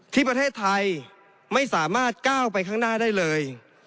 ที่ประเทศไทยไม่สามารถก้าวไปข้างหน้าได้เลย